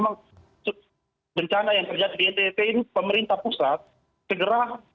maksud bencana yang terjadi di ntt ini pemerintah pusat segera